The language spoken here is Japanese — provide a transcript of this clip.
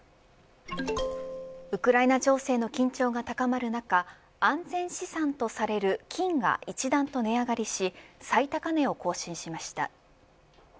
ウクライナ情勢の緊張が高まる中安全資産とされる金が一段と値上がりし最高値を更新しました。